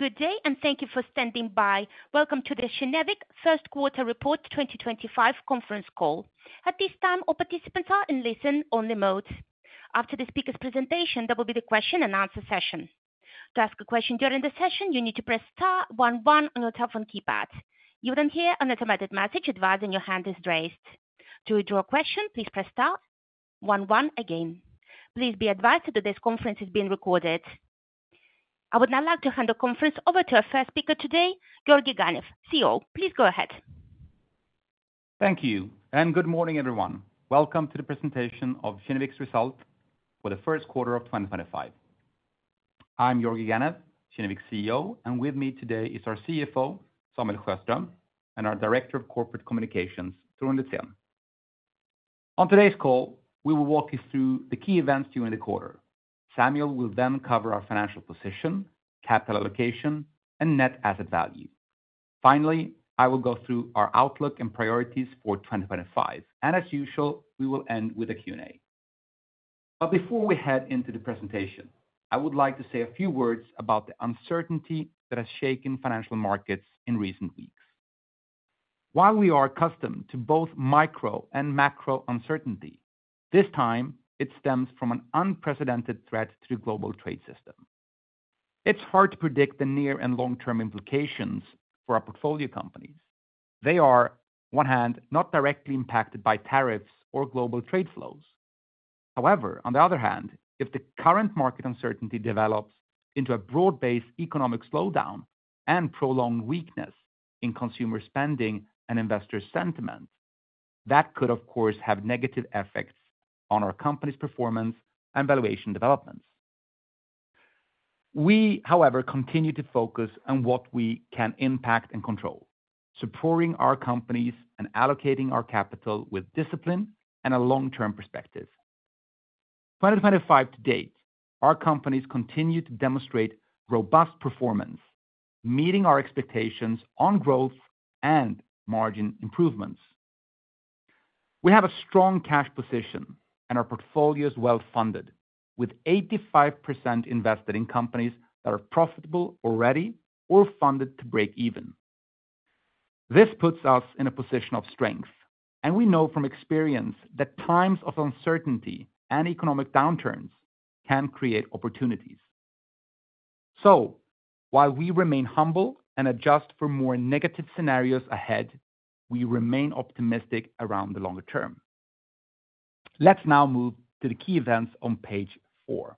Good day, and thank you for standing by. Welcome to the Kinnevik First Quarter Report 2025 conference call. At this time, all participants are in listen-only mode. After the speaker's presentation, there will be the question-and-answer session. To ask a question during the session, you need to press *11 on your telephone keypad. You will then hear an automated message advising your hand is raised. To withdraw a question, please press *11 again. Please be advised that this conference is being recorded. I would now like to hand the conference over to our first speaker today, Georgi Ganev, CEO. Please go ahead. Thank you, and good morning, everyone. Welcome to the presentation of Kinnevik's result for the first quarter of 2025. I'm Georgi Ganev, Kinnevik's CEO, and with me today is our CFO, Samuel Sjöström, and our Director of Corporate Communications, Torun Litzén. On today's call, we will walk you through the key events during the quarter. Samuel will then cover our financial position, capital allocation, and net asset value. Finally, I will go through our outlook and priorities for 2025, and as usual, we will end with a Q&A. Before we head into the presentation, I would like to say a few words about the uncertainty that has shaken financial markets in recent weeks. While we are accustomed to both micro and macro uncertainty, this time it stems from an unprecedented threat to the global trade system. It's hard to predict the near and long-term implications for our portfolio companies. They are, on one hand, not directly impacted by tariffs or global trade flows. However, on the other hand, if the current market uncertainty develops into a broad-based economic slowdown and prolonged weakness in consumer spending and investor sentiment, that could, of course, have negative effects on our company's performance and valuation developments. We, however, continue to focus on what we can impact and control, supporting our companies and allocating our capital with discipline and a long-term perspective. 2025 to date, our companies continue to demonstrate robust performance, meeting our expectations on growth and margin improvements. We have a strong cash position, and our portfolio is well funded, with 85% invested in companies that are profitable already or funded to break even. This puts us in a position of strength, and we know from experience that times of uncertainty and economic downturns can create opportunities. While we remain humble and adjust for more negative scenarios ahead, we remain optimistic around the longer term. Let's now move to the key events on page four.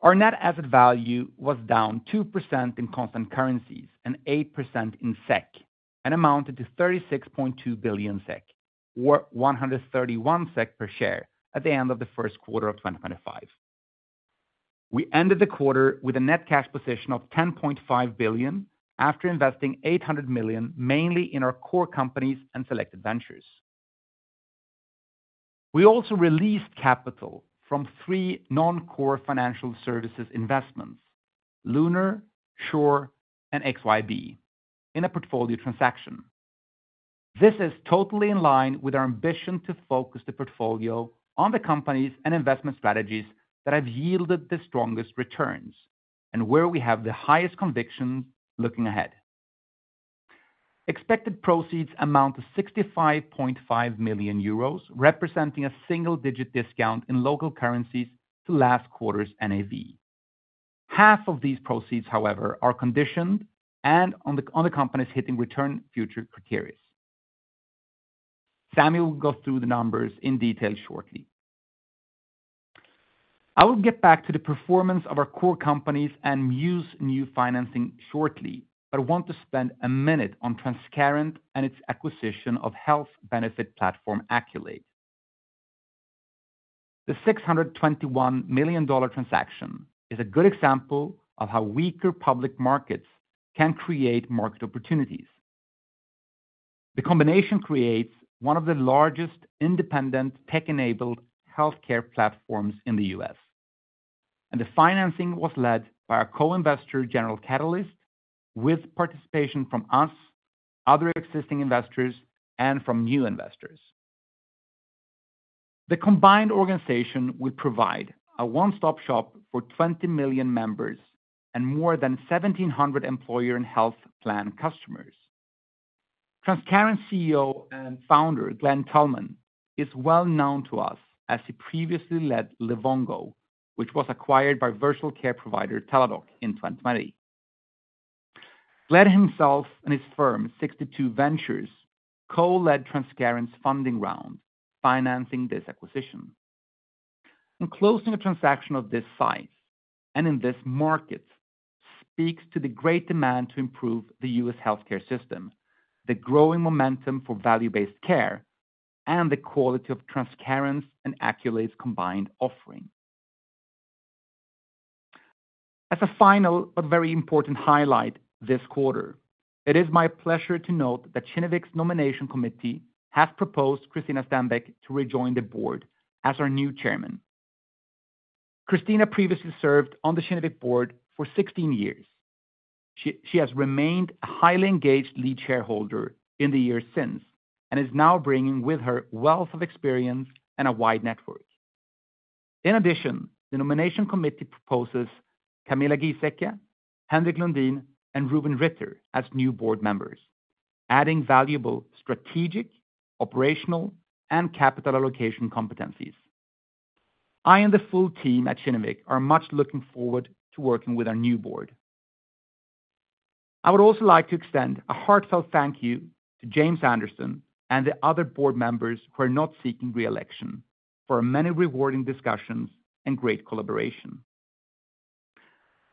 Our net asset value was down 2% in constant currencies and 8% in SEK, and amounted to 36.2 billion SEK, or 131 SEK per share at the end of the first quarter of 2025. We ended the quarter with a net cash position of 10.5 billion after investing 800 million mainly in our core companies and selected ventures. We also released capital from three non-core financial services investments, Lunar, Sure, and XYB, in a portfolio transaction. This is totally in line with our ambition to focus the portfolio on the companies and investment strategies that have yielded the strongest returns and where we have the highest convictions looking ahead. Expected proceeds amount to 65.5 million euros, representing a single-digit discount in local currencies to last quarter's NAV. Half of these proceeds, however, are conditioned and on the companies hitting return future criteria. Samuel will go through the numbers in detail shortly. I will get back to the performance of our core companies and Mews new financing shortly, but I want to spend a minute on Transcarent and its acquisition of health benefit platform, Accolade. The $621 million transaction is a good example of how weaker public markets can create market opportunities. The combination creates one of the largest independent tech-enabled healthcare platforms in the US, and the financing was led by our co-investor, General Catalyst, with participation from us, other existing investors, and from new investors. The combined organization will provide a one-stop shop for 20 million members and more than 1,700 employer and health plan customers. Transcarent's CEO and founder, Glen Tullman, is well known to us as he previously led Livongo, which was acquired by virtual care provider Teladoc in 2020. Glen himself and his firm, 7wireVentures, co-led Transcarent's funding round, financing this acquisition. Closing a transaction of this size and in this market speaks to the great demand to improve the U.S. healthcare system, the growing momentum for value-based care, and the quality of Transcarent's and Accolade's combined offering. As a final but very important highlight this quarter, it is my pleasure to note that Kinnevik's nomination committee has proposed Christina Stenbeck to rejoin the board as our new chairman. Christina previously served on the Kinnevik board for 16 years. She has remained a highly engaged lead shareholder in the years since and is now bringing with her wealth of experience and a wide network. In addition, the nomination committee proposes Camilla Giesecke, Henrik Lundin, and Rubin Ritter as new board members, adding valuable strategic, operational, and capital allocation competencies. I and the full team at Kinnevik are much looking forward to working with our new board. I would also like to extend a heartfelt thank you to James Anderson and the other board members who are not seeking reelection for many rewarding discussions and great collaboration.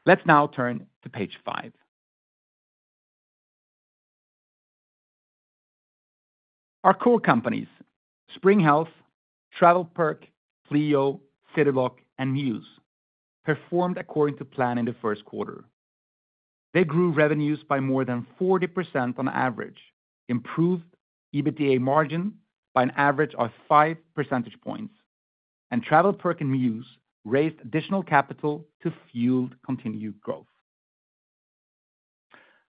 Let's now turn to page five. Our core companies, Spring Health, TravelPerk, Clio, Cityblock, and Mews, performed according to plan in the first quarter. They grew revenues by more than 40% on average, improved EBITDA margin by an average of 5 percentage points, and TravelPerk and Mews raised additional capital to fuel continued growth.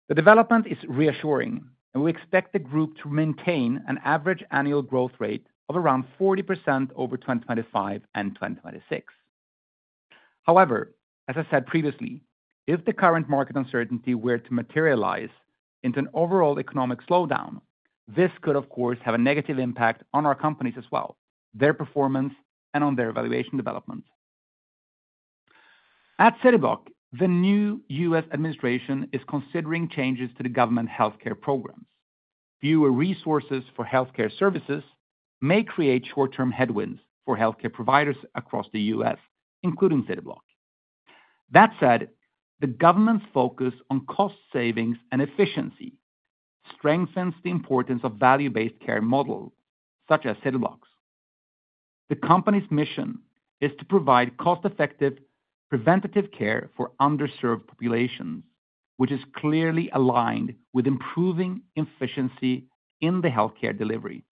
The development is reassuring, and we expect the group to maintain an average annual growth rate of around 40% over 2025 and 2026. However, as I said previously, if the current market uncertainty were to materialize into an overall economic slowdown, this could, of course, have a negative impact on our companies as well, their performance, and on their valuation development. At Cityblock, the new US administration is considering changes to the government healthcare programs. Fewer resources for healthcare services may create short-term headwinds for healthcare providers across the US, including Cityblock. That said, the government's focus on cost savings and efficiency strengthens the importance of value-based care models such as Cityblock's. The company's mission is to provide cost-effective, preventative care for underserved populations, which is clearly aligned with improving efficiency in the healthcare delivery.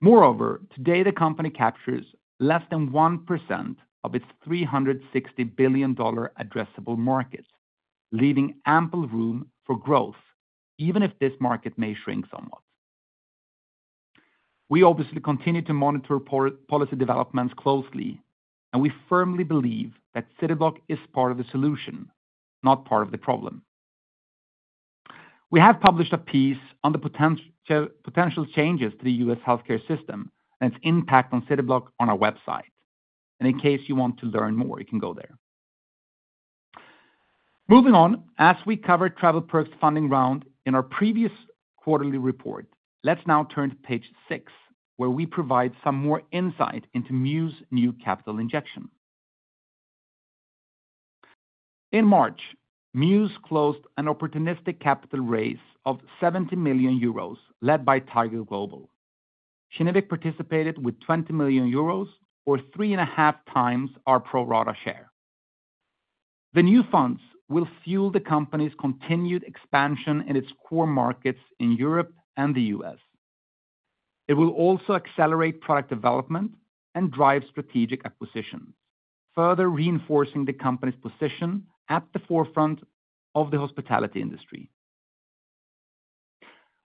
Moreover, today, the company captures less than 1% of its $360 billion addressable market, leaving ample room for growth, even if this market may shrink somewhat. We obviously continue to monitor policy developments closely, and we firmly believe that Cityblock is part of the solution, not part of the problem. We have published a piece on the potential changes to the U.S. healthcare system and its impact on Cityblock on our website, and in case you want to learn more, you can go there. Moving on, as we covered TravelPerk's funding round in our previous quarterly report, let's now turn to page six, where we provide some more insight into Mews's new capital injection. In March, Mews closed an opportunistic capital raise of 70 million euros led by Tiger Global. Kinnevik participated with 20 million euros or three and a half times our pro-rata share. The new funds will fuel the company's continued expansion in its core markets in Europe and the U.S. It will also accelerate product development and drive strategic acquisitions, further reinforcing the company's position at the forefront of the hospitality industry.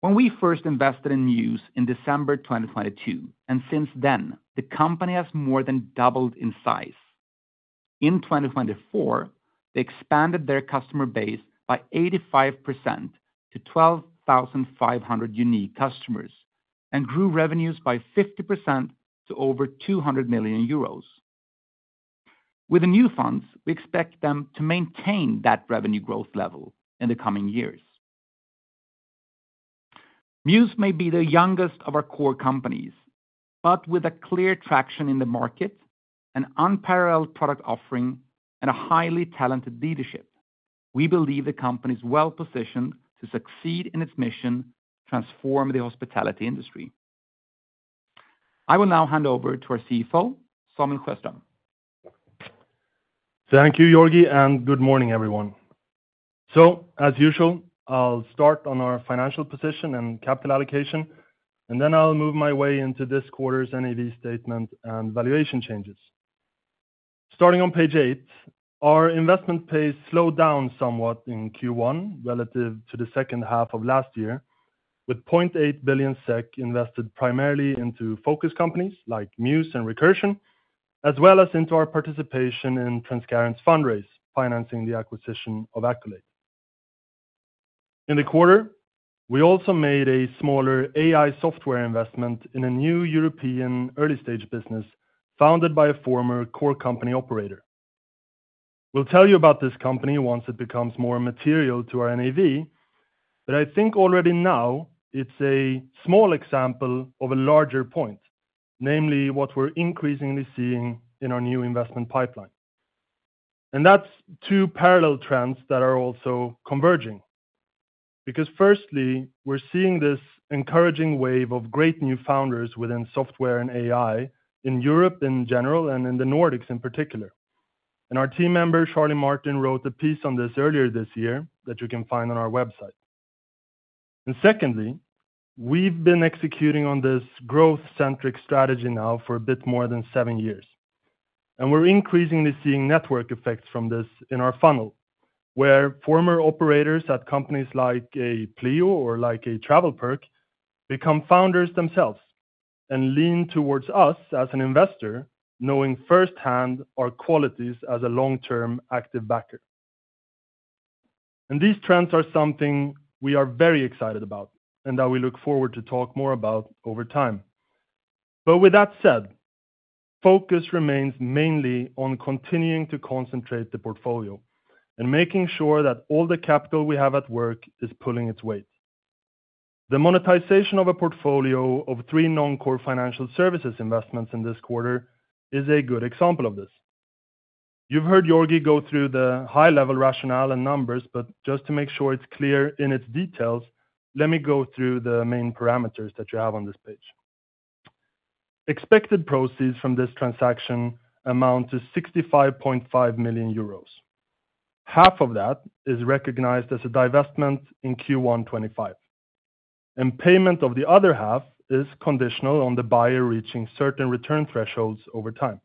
When we first invested in Mews in December 2022, and since then, the company has more than doubled in size. In 2024, they expanded their customer base by 85% to 12,500 unique customers and grew revenues by 50% to over 200 million euros. With the new funds, we expect them to maintain that revenue growth level in the coming years. Mews may be the youngest of our core companies, but with a clear traction in the market, an unparalleled product offering, and a highly talented leadership, we believe the company is well positioned to succeed in its mission to transform the hospitality industry. I will now hand over to our CFO, Samuel Sjöström. Thank you, Georgi, and good morning, everyone. As usual, I'll start on our financial position and capital allocation, and then I'll move my way into this quarter's NAV statement and valuation changes. Starting on page eight, our investment pace slowed down somewhat in Q1 relative to the second half of last year, with $0.8 billion invested primarily into focus companies like Mews and Recursion, as well as into our participation in Transcarent's fundraise, financing the acquisition of Accolade. In the quarter, we also made a smaller AI software investment in a new European early-stage business founded by a former core company operator. We'll tell you about this company once it becomes more material to our NAV, but I think already now it's a small example of a larger point, namely what we're increasingly seeing in our new investment pipeline. That's two parallel trends that are also converging. Because firstly, we're seeing this encouraging wave of great new founders within software and AI in Europe in general and in the Nordics in particular. Our team member, Charlie Martin, wrote a piece on this earlier this year that you can find on our website. Secondly, we've been executing on this growth-centric strategy now for a bit more than seven years, and we're increasingly seeing network effects from this in our funnel, where former operators at companies like Clio or like TravelPerk become founders themselves and lean towards us as an investor, knowing firsthand our qualities as a long-term active backer. These trends are something we are very excited about and that we look forward to talk more about over time. With that said, focus remains mainly on continuing to concentrate the portfolio and making sure that all the capital we have at work is pulling its weight. The monetization of a portfolio of three non-core financial services investments in this quarter is a good example of this. You've heard Georgi go through the high-level rationale and numbers, but just to make sure it's clear in its details, let me go through the main parameters that you have on this page. Expected proceeds from this transaction amount to 65.5 million euros. Half of that is recognized as a divestment in Q1 2025, and payment of the other half is conditional on the buyer reaching certain return thresholds over time.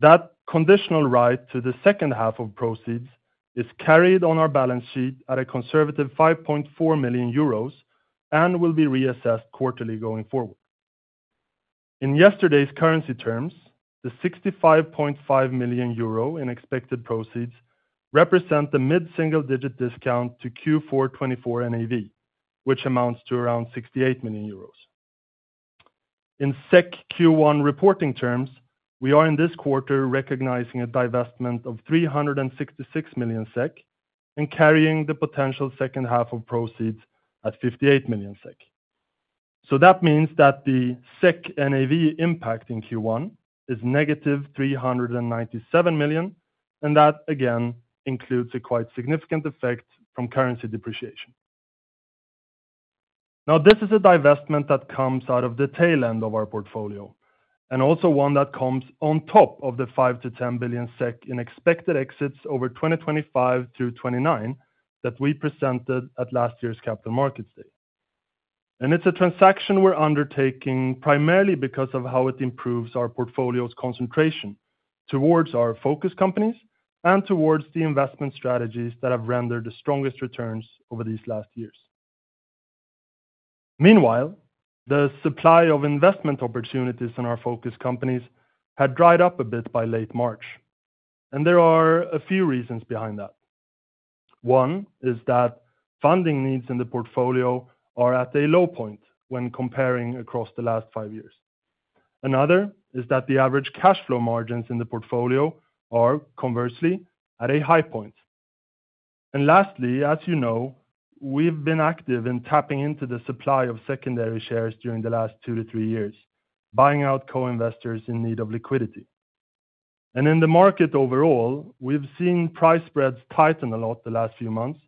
That conditional right to the second half of proceeds is carried on our balance sheet at a conservative 5.4 million euros and will be reassessed quarterly going forward. In yesterday's currency terms, the 65.5 million euro in expected proceeds represent the mid-single-digit discount to Q4 2024 NAV, which amounts to around 68 million euros. In SEK Q1 reporting terms, we are in this quarter recognizing a divestment of 366 million SEK and carrying the potential second half of proceeds at 58 million SEK. That means that the SEK NAV impact in Q1 is negative 397 million, and that, again, includes a quite significant effect from currency depreciation. Now, this is a divestment that comes out of the tail end of our portfolio and also one that comes on top of the EUR 5 billion-EUR 10 billion in expected exits over 2025-2029 that we presented at last year's Capital Markets Day. It is a transaction we are undertaking primarily because of how it improves our portfolio's concentration towards our focus companies and towards the investment strategies that have rendered the strongest returns over these last years. Meanwhile, the supply of investment opportunities in our focus companies had dried up a bit by late March, and there are a few reasons behind that. One is that funding needs in the portfolio are at a low point when comparing across the last five years. Another is that the average cash flow margins in the portfolio are, conversely, at a high point. Lastly, as you know, we have been active in tapping into the supply of secondary shares during the last two to three years, buying out co-investors in need of liquidity. In the market overall, we've seen price spreads tighten a lot the last few months,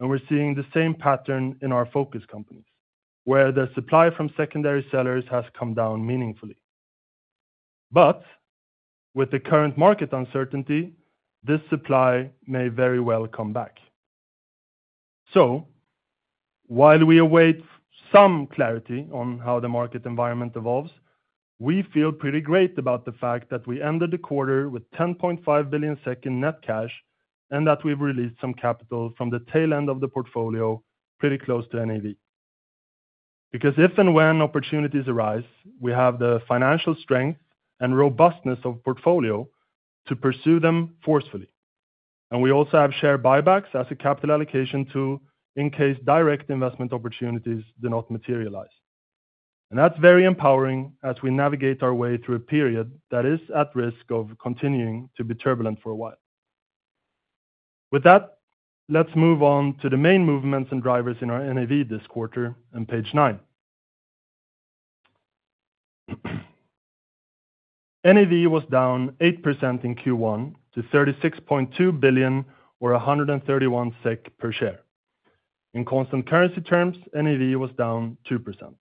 and we're seeing the same pattern in our focus companies, where the supply from secondary sellers has come down meaningfully. With the current market uncertainty, this supply may very well come back. While we await some clarity on how the market environment evolves, we feel pretty great about the fact that we ended the quarter with $10.5 billion net cash and that we've released some capital from the tail end of the portfolio pretty close to NAV. If and when opportunities arise, we have the financial strength and robustness of a portfolio to pursue them forcefully. We also have share buybacks as a capital allocation tool in case direct investment opportunities do not materialize. That is very empowering as we navigate our way through a period that is at risk of continuing to be turbulent for a while. With that, let's move on to the main movements and drivers in our NAV this quarter and page nine. NAV was down 8% in Q1 to 36.2 billion or EUR 131 per share. In constant currency terms, NAV was down 2%.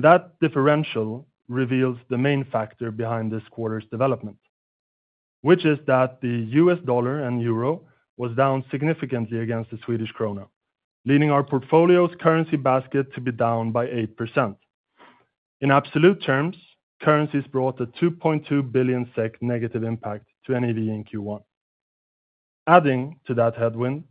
That differential reveals the main factor behind this quarter's development, which is that the US dollar and euro were down significantly against the Swedish krona, leading our portfolio's currency basket to be down by 8%. In absolute terms, currencies brought a EUR 2.2 billion negative impact to NAV in Q1. Adding to that headwind,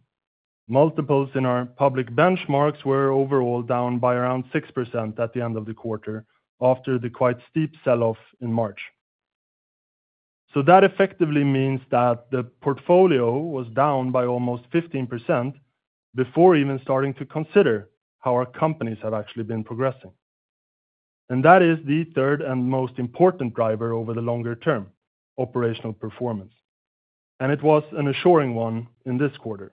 multiples in our public benchmarks were overall down by around 6% at the end of the quarter after the quite steep selloff in March. That effectively means that the portfolio was down by almost 15% before even starting to consider how our companies have actually been progressing. That is the third and most important driver over the longer term, operational performance. It was an assuring one in this quarter,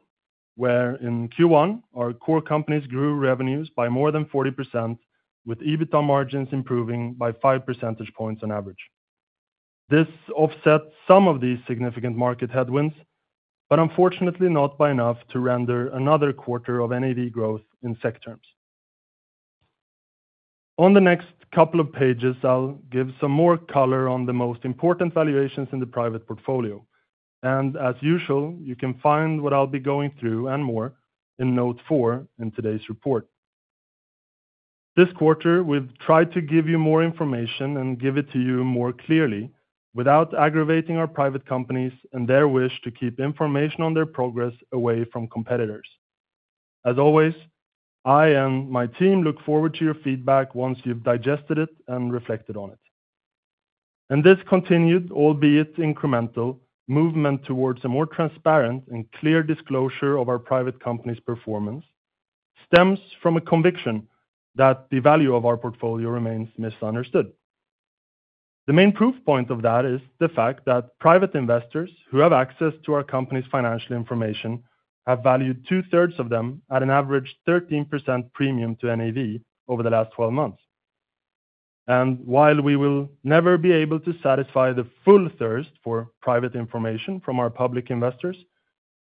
where in Q1, our core companies grew revenues by more than 40%, with EBITDA margins improving by 5 percentage points on average. This offsets some of these significant market headwinds, but unfortunately not by enough to render another quarter of NAV growth in SEK terms. On the next couple of pages, I'll give some more color on the most important valuations in the private portfolio. As usual, you can find what I'll be going through and more in note four in today's report. This quarter, we've tried to give you more information and give it to you more clearly without aggravating our private companies and their wish to keep information on their progress away from competitors. As always, I and my team look forward to your feedback once you've digested it and reflected on it. This continued, albeit incremental, movement towards a more transparent and clear disclosure of our private companies' performance stems from a conviction that the value of our portfolio remains misunderstood. The main proof point of that is the fact that private investors who have access to our company's financial information have valued two-thirds of them at an average 13% premium to NAV over the last 12 months. While we will never be able to satisfy the full thirst for private information from our public investors,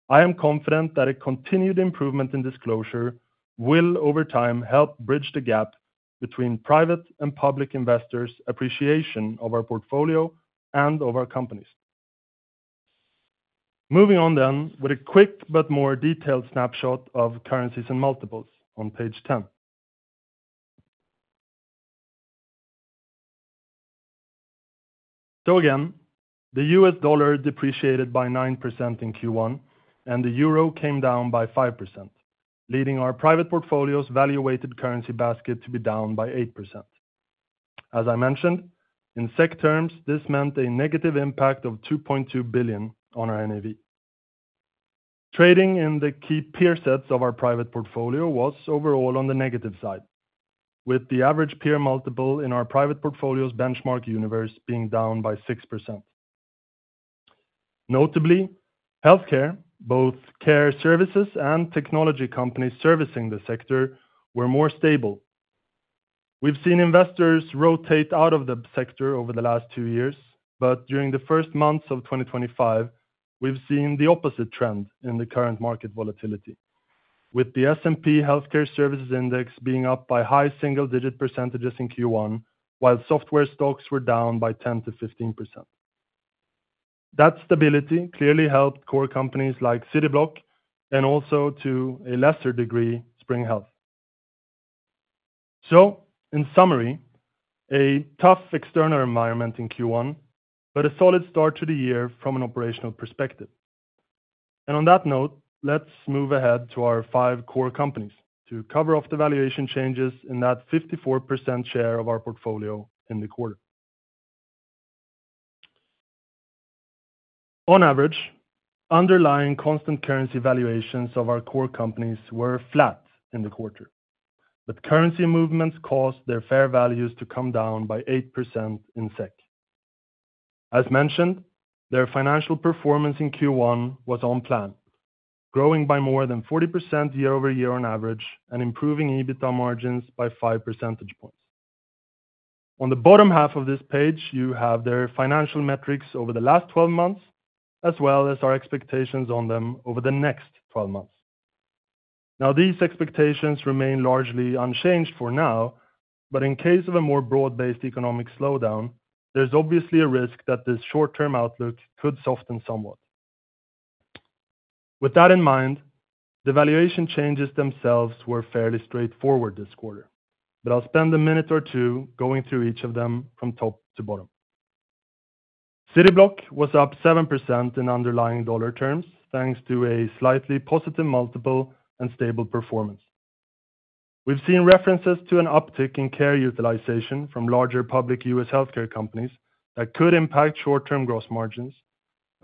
I am confident that a continued improvement in disclosure will, over time, help bridge the gap between private and public investors' appreciation of our portfolio and of our companies. Moving on with a quick but more detailed snapshot of currencies and multiples on page 10. Again, the US dollar depreciated by 9% in Q1, and the euro came down by 5%, leading our private portfolio's valuated currency basket to be down by 8%. As I mentioned, in SEC terms, this meant a negative impact of 2.2 billion on our NAV. Trading in the key peer sets of our private portfolio was overall on the negative side, with the average peer multiple in our private portfolio's benchmark universe being down by 6%. Notably, healthcare, both care services and technology companies servicing the sector, were more stable. We've seen investors rotate out of the sector over the last two years, but during the first months of 2025, we've seen the opposite trend in the current market volatility, with the S&P Healthcare Services Index being up by high single-digit percentages in Q1, while software stocks were down by 10-15%. That stability clearly helped core companies like Cityblock and also, to a lesser degree, Spring Health. In summary, a tough external environment in Q1, but a solid start to the year from an operational perspective. On that note, let's move ahead to our five core companies to cover off the valuation changes in that 54% share of our portfolio in the quarter. On average, underlying constant currency valuations of our core companies were flat in the quarter, but currency movements caused their fair values to come down by 8% in SEK. As mentioned, their financial performance in Q1 was on plan, growing by more than 40% year over year on average and improving EBITDA margins by 5 percentage points. On the bottom half of this page, you have their financial metrics over the last 12 months, as well as our expectations on them over the next 12 months. Now, these expectations remain largely unchanged for now, but in case of a more broad-based economic slowdown, there is obviously a risk that this short-term outlook could soften somewhat. With that in mind, the valuation changes themselves were fairly straightforward this quarter, but I will spend a minute or two going through each of them from top to bottom. Cityblock was up 7% in underlying dollar terms thanks to a slightly positive multiple and stable performance. We've seen references to an uptick in care utilization from larger public U.S. healthcare companies that could impact short-term gross margins,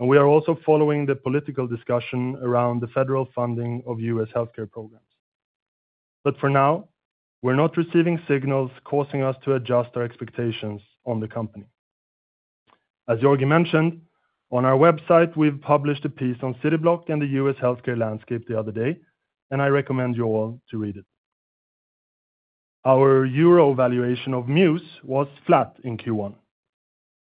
and we are also following the political discussion around the federal funding of U.S. healthcare programs. For now, we're not receiving signals causing us to adjust our expectations on the company. As Georgi mentioned, on our website, we've published a piece on Cityblock and the U.S. healthcare landscape the other day, and I recommend you all to read it. Our EUR valuation of Mews was flat in Q1.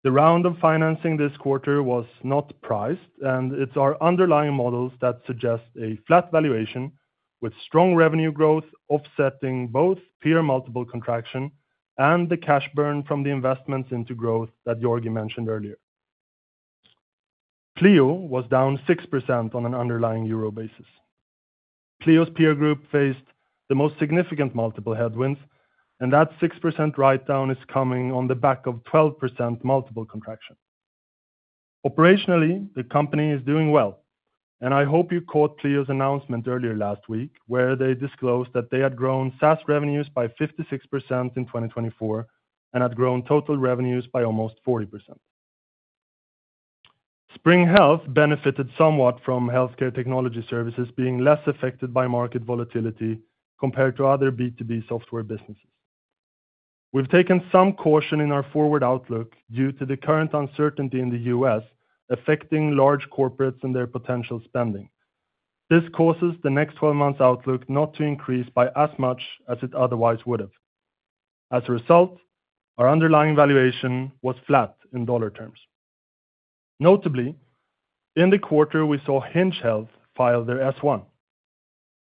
The round of financing this quarter was not priced, and it's our underlying models that suggest a flat valuation with strong revenue growth offsetting both peer multiple contraction and the cash burn from the investments into growth that Georgi mentioned earlier. Clio was down 6% on an underlying EUR basis. Clio's peer group faced the most significant multiple headwinds, and that 6% write-down is coming on the back of 12% multiple contraction. Operationally, the company is doing well, and I hope you caught Clio's announcement earlier last week where they disclosed that they had grown SaaS revenues by 56% in 2024 and had grown total revenues by almost 40%. Spring Health benefited somewhat from healthcare technology services being less affected by market volatility compared to other B2B software businesses. We've taken some caution in our forward outlook due to the current uncertainty in the U.S. affecting large corporates and their potential spending. This causes the next 12 months' outlook not to increase by as much as it otherwise would have. As a result, our underlying valuation was flat in dollar terms. Notably, in the quarter, we saw Hinge Health file their S1.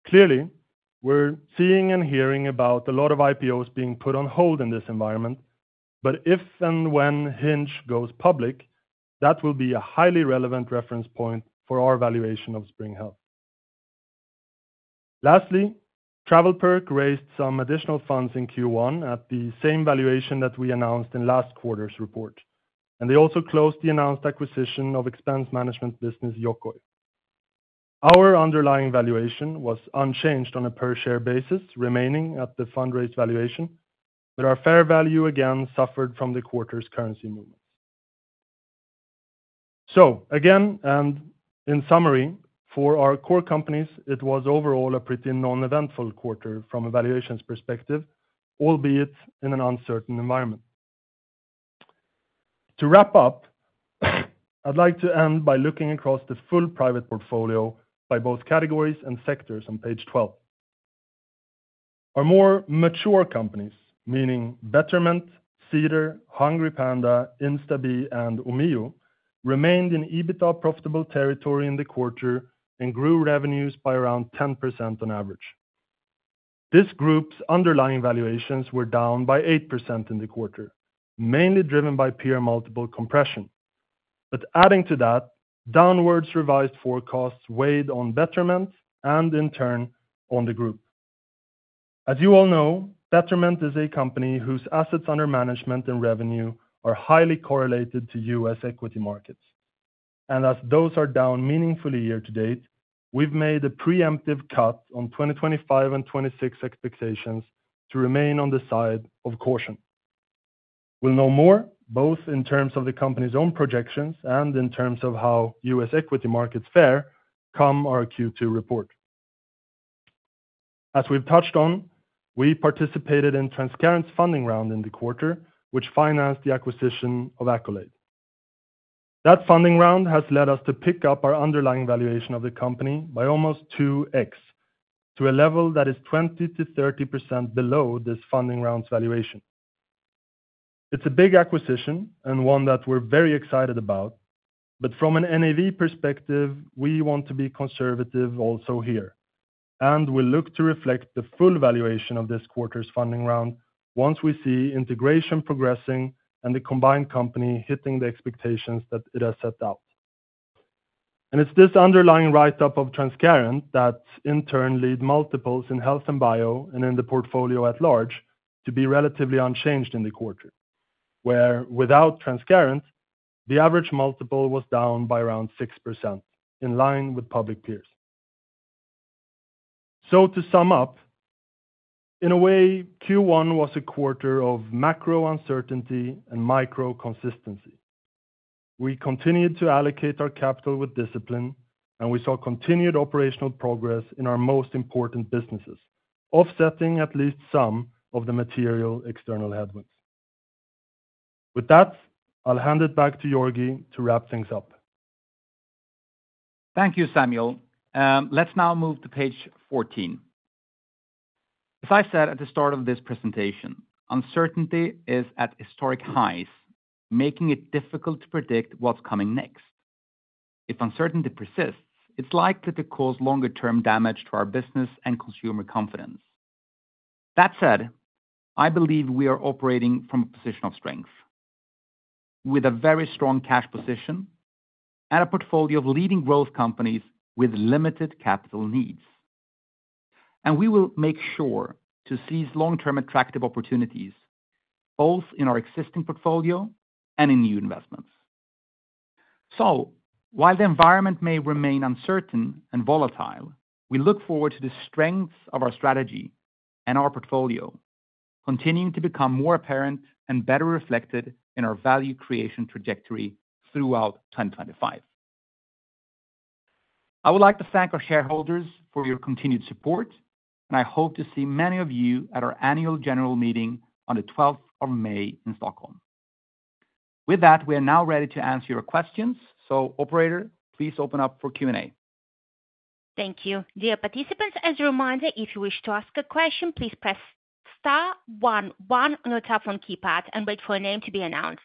Clearly, we're seeing and hearing about a lot of IPOs being put on hold in this environment, but if and when Hinge goes public, that will be a highly relevant reference point for our valuation of Spring Health. Lastly, TravelPerk raised some additional funds in Q1 at the same valuation that we announced in last quarter's report, and they also closed the announced acquisition of expense management business Yokoy. Our underlying valuation was unchanged on a per-share basis, remaining at the fund-raised valuation, but our fair value again suffered from the quarter's currency movements. Again, and in summary, for our core companies, it was overall a pretty non-eventful quarter from a valuations perspective, albeit in an uncertain environment. To wrap up, I'd like to end by looking across the full private portfolio by both categories and sectors on page 12. Our more mature companies, meaning Betterment, Cedar, Hungry Panda, Instabee, and Omio, remained in EBITDA profitable territory in the quarter and grew revenues by around 10% on average. This group's underlying valuations were down by 8% in the quarter, mainly driven by peer multiple compression. Adding to that, downwards revised forecasts weighed on Betterment and, in turn, on the group. As you all know, Betterment is a company whose assets under management and revenue are highly correlated to U.S. equity markets. As those are down meaningfully year to date, we've made a preemptive cut on 2025 and 2026 expectations to remain on the side of caution. We'll know more, both in terms of the company's own projections and in terms of how U.S. equity markets fare come our Q2 report. As we've touched on, we participated in Transcarent's funding round in the quarter, which financed the acquisition of Accolade. That funding round has led us to pick up our underlying valuation of the company by almost 2x to a level that is 20-30% below this funding round's valuation. It's a big acquisition and one that we're very excited about, but from an NAV perspective, we want to be conservative also here, and we'll look to reflect the full valuation of this quarter's funding round once we see integration progressing and the combined company hitting the expectations that it has set out. It is this underlying write-up of Transcarent that, in turn, led multiples in health and bio and in the portfolio at large to be relatively unchanged in the quarter, where, without Transcarent, the average multiple was down by around 6% in line with public peers. To sum up, in a way, Q1 was a quarter of macro uncertainty and micro consistency. We continued to allocate our capital with discipline, and we saw continued operational progress in our most important businesses, offsetting at least some of the material external headwinds. With that, I'll hand it back to Georgi to wrap things up. Thank you, Samuel. Let's now move to page 14. As I said at the start of this presentation, uncertainty is at historic highs, making it difficult to predict what is coming next. If uncertainty persists, it is likely to cause longer-term damage to our business and consumer confidence. That said, I believe we are operating from a position of strength, with a very strong cash position and a portfolio of leading growth companies with limited capital needs. We will make sure to seize long-term attractive opportunities, both in our existing portfolio and in new investments. While the environment may remain uncertain and volatile, we look forward to the strengths of our strategy and our portfolio continuing to become more apparent and better reflected in our value creation trajectory throughout 2025. I would like to thank our shareholders for your continued support, and I hope to see many of you at our annual general meeting on the 12th of May in Stockholm. With that, we are now ready to answer your questions. Operator, please open up for Q&A. Thank you. Dear participants, as a reminder, if you wish to ask a question, please press Star 11 on your telephone keypad and wait for a name to be announced.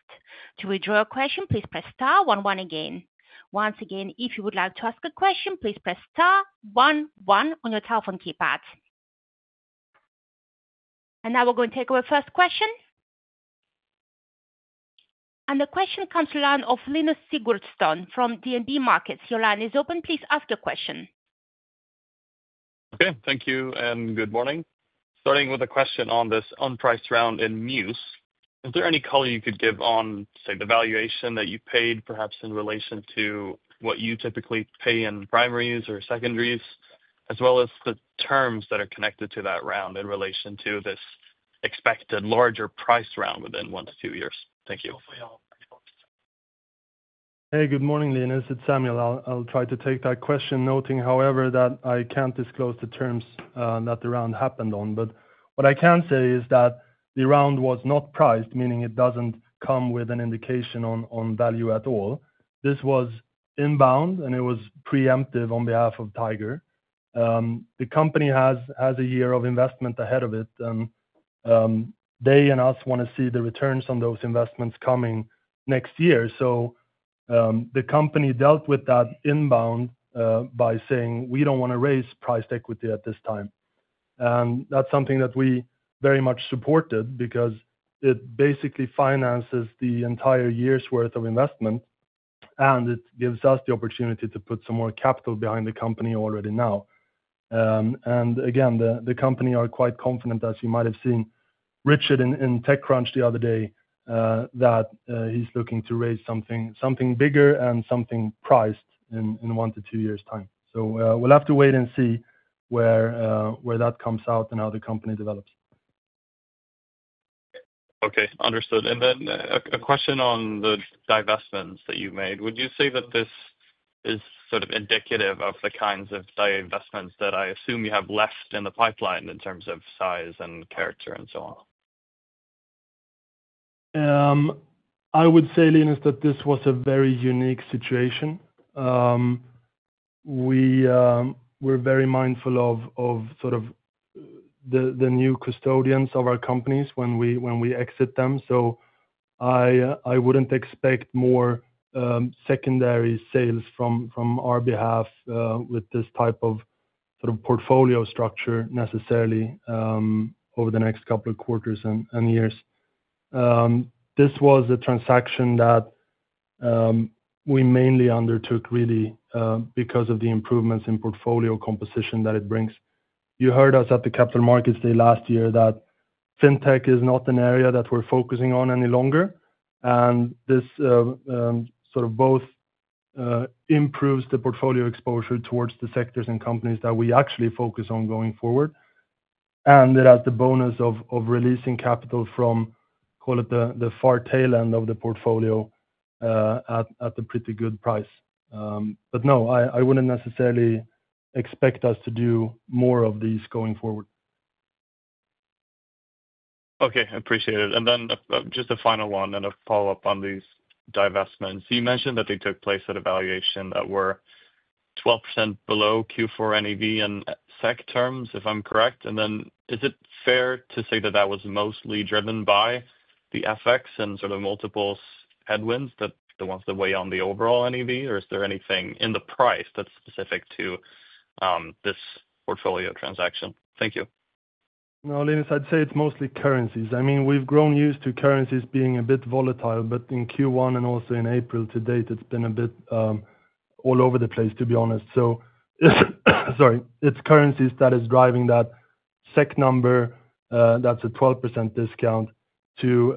To withdraw a question, please press Star 11 again. Once again, if you would like to ask a question, please press Star 11 on your telephone keypad. Now we are going to take our first question. The question comes from Linus Sigurdsson from DNB Markets. Your line is open. Please ask your question. Okay, thank you and good morning. Starting with a question on this unpriced round in Mews. Is there any color you could give on, say, the valuation that you paid, perhaps in relation to what you typically pay in primaries or secondaries, as well as the terms that are connected to that round in relation to this expected larger priced round within one to two years? Thank you. Hey, good morning, Linus. It's Samuel. I'll try to take that question, noting, however, that I can't disclose the terms that the round happened on. What I can say is that the round was not priced, meaning it doesn't come with an indication on value at all. This was inbound, and it was preemptive on behalf of Tiger. The company has a year of investment ahead of it, and they and us want to see the returns on those investments coming next year. The company dealt with that inbound by saying, "We don't want to raise price equity at this time." That is something that we very much supported because it basically finances the entire year's worth of investment, and it gives us the opportunity to put some more capital behind the company already now. Again, the company is quite confident, as you might have seen, Richard, in TechCrunch the other day, that he is looking to raise something bigger and something priced in one to two years' time. We will have to wait and see where that comes out and how the company develops. Okay, understood. A question on the divestments that you made. Would you say that this is sort of indicative of the kinds of divestments that I assume you have left in the pipeline in terms of size and character and so on? I would say, Linus, that this was a very unique situation. We are very mindful of the new custodians of our companies when we exit them. I would not expect more secondary sales from our behalf with this type of portfolio structure necessarily over the next couple of quarters and years. This was a transaction that we mainly undertook really because of the improvements in portfolio composition that it brings. You heard us at the Capital Markets Day last year that fintech is not an area that we're focusing on any longer, and this sort of both improves the portfolio exposure towards the sectors and companies that we actually focus on going forward, and it has the bonus of releasing capital from, call it the far tail end of the portfolio at a pretty good price. No, I wouldn't necessarily expect us to do more of these going forward. Okay, appreciate it. Then just a final one and a follow-up on these divestments. You mentioned that they took place at a valuation that were 12% below Q4 NAV in SEK terms, if I'm correct. Is it fair to say that that was mostly driven by the FX and sort of multiple headwinds that the ones that weigh on the overall NAV, or is there anything in the price that's specific to this portfolio transaction? Thank you. No, Linus, I'd say it's mostly currencies. I mean, we've grown used to currencies being a bit volatile, but in Q1 and also in April to date, it's been a bit all over the place, to be honest. Sorry, it's currencies that is driving that SEK number that's a 12% discount to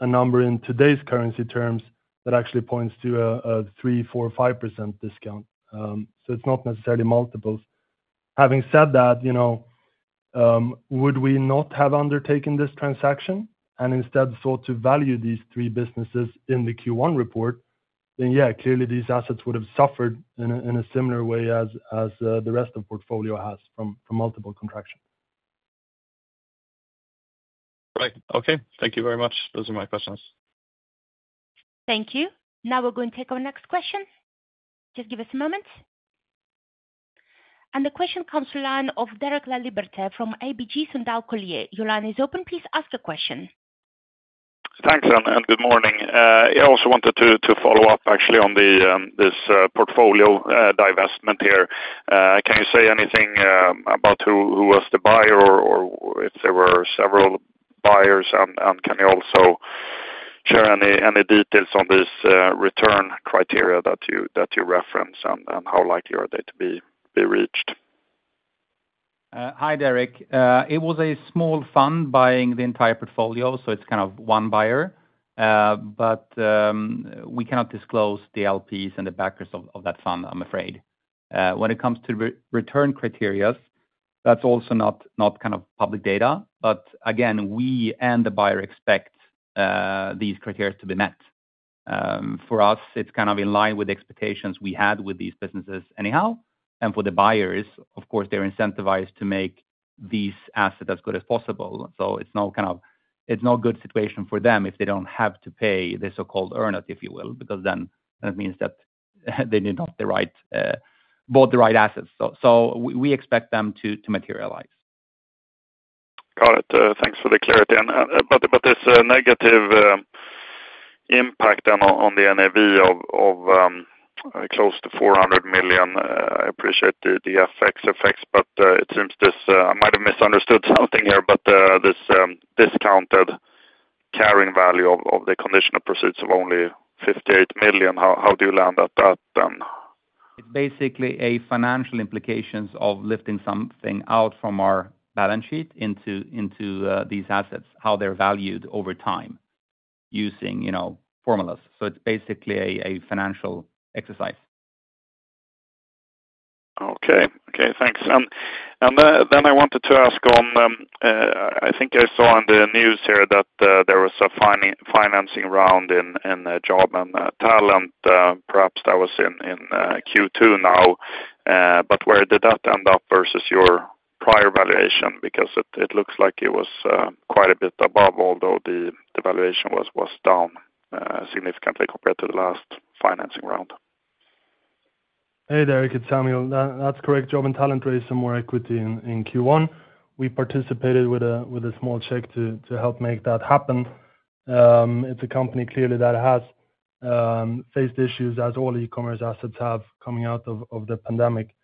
a number in today's currency terms that actually points to a 3-5% discount. It's not necessarily multiples. Having said that, would we not have undertaken this transaction and instead sought to value these three businesses in the Q1 report, then yeah, clearly these assets would have suffered in a similar way as the rest of the portfolio has from multiple contraction. Right. Okay, thank you very much. Those are my questions. Thank you. Now we're going to take our next question. Just give us a moment. The question comes from Derek Laliberte from ABG Sundal Collier. Your line is open. Please ask a question. Thanks, Anne. Good morning. I also wanted to follow up actually on this portfolio divestment here. Can you say anything about who was the buyer or if there were several buyers, and can you also share any details on these return criteria that you reference and how likely are they to be reached? Hi, Derek. It was a small fund buying the entire portfolio, so it's kind of one buyer, but we cannot disclose the LPs and the backers of that fund, I'm afraid. When it comes to return criteria, that's also not kind of public data, but again, we and the buyer expect these criteria to be met. For us, it's kind of in line with the expectations we had with these businesses anyhow. For the buyers, of course, they're incentivized to make these assets as good as possible. It's no kind of good situation for them if they don't have to pay the so-called earn-out, if you will, because then it means that they did not buy the right assets. We expect them to materialize. Got it. Thanks for the clarity. This negative impact on the NAV of close to 400 million, I appreciate the FX effects, but it seems I might have misunderstood something here, but this discounted carrying value of the conditional proceeds of only 58 million, how do you land at that then? It's basically a financial implication of lifting something out from our balance sheet into these assets, how they're valued over time using formulas. It's basically a financial exercise. Okay. Thanks. I wanted to ask on, I think I saw in the news here that there was a financing round in Jobandtalent. Perhaps that was in Q2 now, but where did that end up versus your prior valuation? Because it looks like it was quite a bit above, although the valuation was down significantly compared to the last financing round. Hey, Derek and Samuel. That's correct. Job and Talent raised some more equity in Q1. We participated with a small check to help make that happen. It's a company clearly that has faced issues as all e-commerce assets have coming out of the pandemic.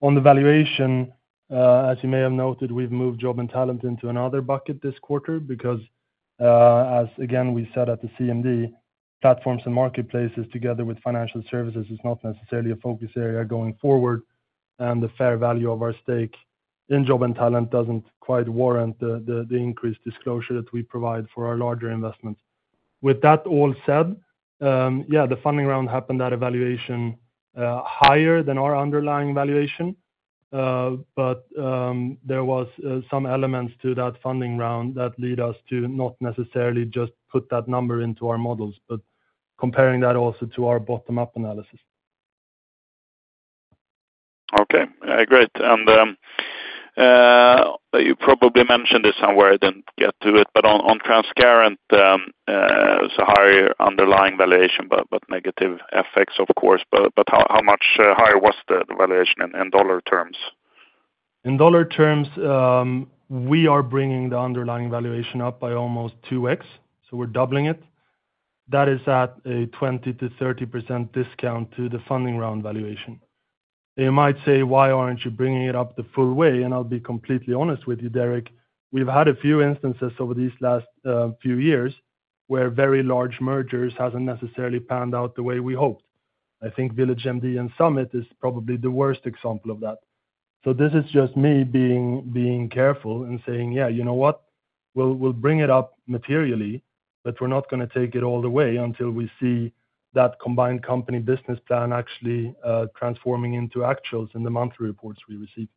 On the valuation, as you may have noted, we've moved Job and Talent into another bucket this quarter because, as again we said at the CMD, platforms and marketplaces together with financial services is not necessarily a focus area going forward, and the fair value of our stake in Job and Talent doesn't quite warrant the increased disclosure that we provide for our larger investments. With that all said, yeah, the funding round happened at a valuation higher than our underlying valuation, but there were some elements to that funding round that led us to not necessarily just put that number into our models, but comparing that also to our bottom-up analysis. Okay. Great. You probably mentioned this somewhere, I did not get to it, but on Transcarent, it is a higher underlying valuation, but negative FX, of course. How much higher was the valuation in dollar terms? In dollar terms, we are bringing the underlying valuation up by almost 2X, so we are doubling it. That is at a 20-30% discount to the funding round valuation. You might say, "Why are you not bringing it up the full way?" I will be completely honest with you, Derek. We have had a few instances over these last few years where very large mergers have not necessarily panned out the way we hoped. I think VillageMD and Summit is probably the worst example of that. This is just me being careful and saying, "Yeah, you know what? We'll bring it up materially, but we're not going to take it all the way until we see that combined company business plan actually transforming into actuals in the monthly reports we receive.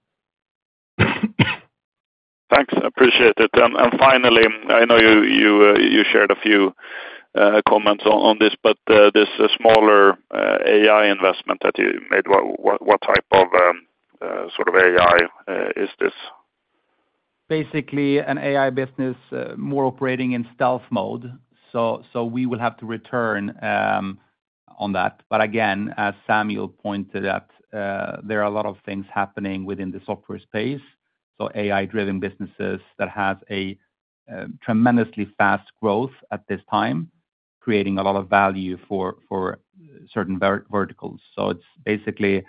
Thanks. Appreciate it. Finally, I know you shared a few comments on this, but this smaller AI investment that you made, what type of sort of AI is this? Basically an AI business more operating in stealth mode. We will have to return on that. Again, as Samuel pointed out, there are a lot of things happening within the software space. AI-driven businesses that have a tremendously fast growth at this time are creating a lot of value for certain verticals. It's basically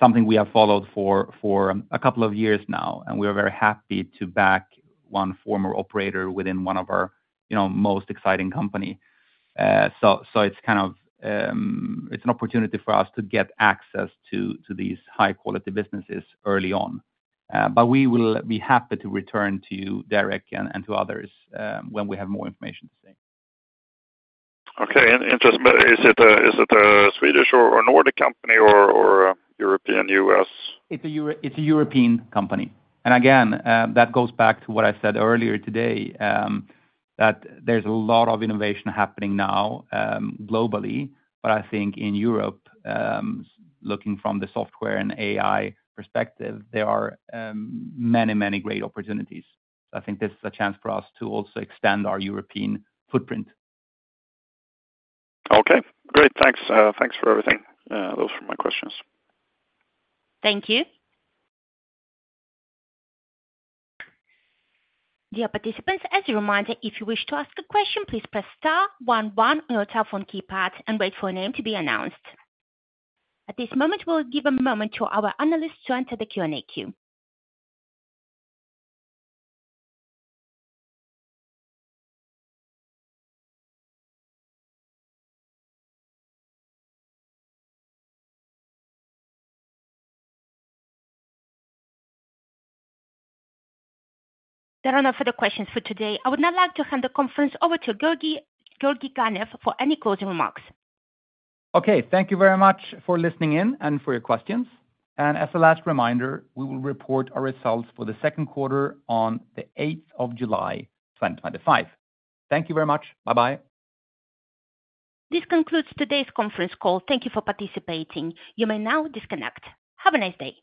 something we have followed for a couple of years now, and we are very happy to back one former operator within one of our most exciting companies. It is kind of an opportunity for us to get access to these high-quality businesses early on. We will be happy to return to Derek and to others when we have more information to say. Okay. Interesting. Is it a Swedish or Nordic company or European US? It is a European company. That goes back to what I said earlier today, that there is a lot of innovation happening now globally, but I think in Europe, looking from the software and AI perspective, there are many, many great opportunities. I think this is a chance for us to also extend our European footprint. Okay. Great. Thanks. Thanks for everything. Those were my questions. Thank you. Dear participants, as a reminder, if you wish to ask a question, please press star, 1, 1 on your telephone keypad and wait for a name to be announced. At this moment, we'll give a moment to our analysts to enter the Q&A queue. There are no further questions for today. I would now like to hand the conference over to Georgi Ganev for any closing remarks. Okay. Thank you very much for listening in and for your questions. As a last reminder, we will report our results for the second quarter on the 8th of July, 2025. Thank you very much. Bye-bye. This concludes today's conference call. Thank you for participating. You may now disconnect. Have a nice day.